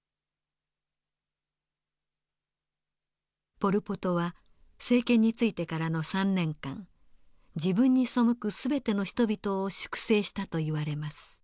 ポル・ポトは政権に就いてからの３年間自分に背く全ての人々を粛清したといわれます。